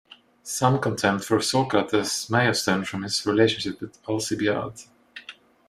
Some contempt for Socrates may have stemmed from his relationship with Alcibiades.